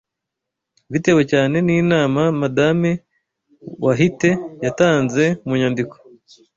bitewe cyane n’inama Madame Wahite yatanze mu nyandiko